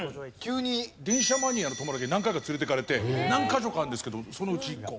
電車マニアの友達に何回か連れていかれて何カ所かあるんですけどそのうち１個。